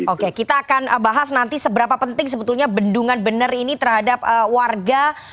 oke kita akan bahas nanti seberapa penting sebetulnya bendungan bener ini terhadap warga